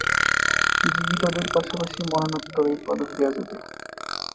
জীবিতদের পাশাপাশি মরণোত্তর এই পদক দেওয়া যাবে।